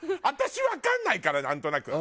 私わかんないかな？